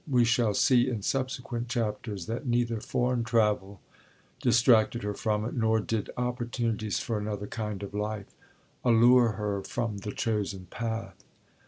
We shall see in subsequent chapters that neither foreign travel distracted her from it, nor did opportunities for another kind of life allure her from the chosen path.